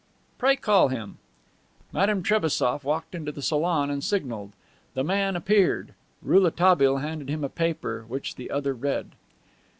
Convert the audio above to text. "Pray call him." Madame Trebassof walked into the salon and signaled. The man appeared. Rouletabille handed him a paper, which the other read.